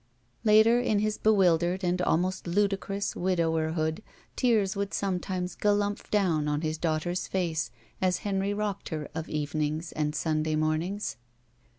Later ia his bewildered and almost ludicnnis widowerhood tears would sometimes galumph down on his daughter's face as Henry rocked her of eve nings and Sunday mornings.